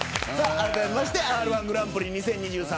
あらためましてＲ‐１グランプリ２０２３